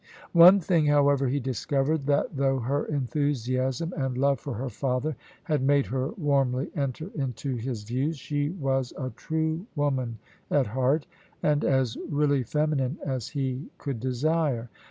One thing, however, he discovered that though her enthusiasm and love for her father had made her warmly enter into his views, she was a true woman at heart, and as really feminine as he could desire.